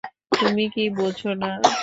তুমি কি বোঝো না?